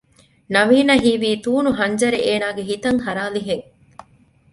ނަވީނަށް ހީވީ ތޫނު ހަންޖަރެއް އޭނާގެ ހިތަށް ހަރާލިހެން